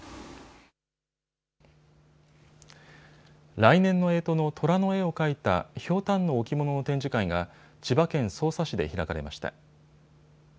来年のえとのとらの絵を描いたひょうたんの置物の展示会が千葉県匝瑳市で開かれました。